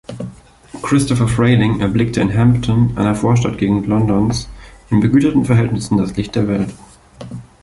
Christopher Frayling erblickte in Hampton, einer Vorstadtgegend Londons, in begüterten Verhältnissen das Licht der Welt.